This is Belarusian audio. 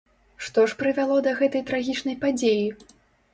Што ж прывяло да гэтай трагічнай падзеі?